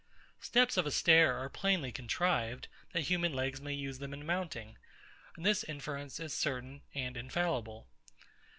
Steps of a stair are plainly contrived, that human legs may use them in mounting; and this inference is certain and infallible.